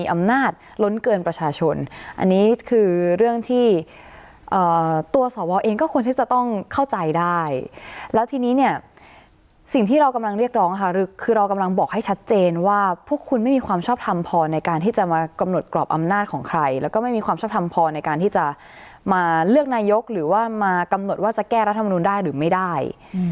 อำนาจล้นเกินประชาชนอันนี้คือเรื่องที่ตัวสวเองก็ควรที่จะต้องเข้าใจได้แล้วทีนี้เนี่ยสิ่งที่เรากำลังเรียกร้องค่ะคือเรากำลังบอกให้ชัดเจนว่าพวกคุณไม่มีความชอบทำพอในการที่จะมากำหนดกรอบอำนาจของใครแล้วก็ไม่มีความชอบทำพอในการที่จะมาเลือกนายกหรือว่ามากำหนดว่าจะแก้รัฐมนุนได้หรือไม่ได้